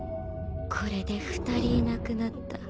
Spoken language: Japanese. これで２人いなくなった。